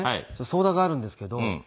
相談があるんですけど。